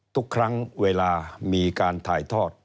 ทุกครั้งเวลามีการถ่ายทอด